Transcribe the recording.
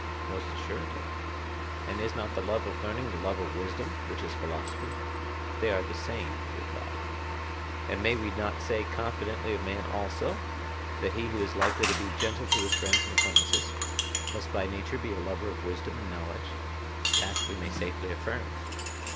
Most assuredly. And is not the love of learning the love of wisdom, which is philosophy? They are the same, he replied. And may we not say confidently of man also, that he who is likely to be gentle to his friends and acquaintances, must by nature be a lover of wisdom and knowledge? That we may safely affirm.